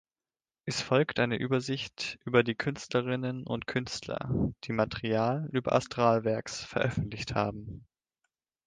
Es folgt eine Übersicht über die Künstlerinnen und Künstler, die Material über Astralwerks veröffentlicht haben.